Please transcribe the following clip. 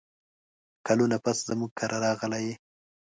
کلونه پس زموږ کره راغلې یې !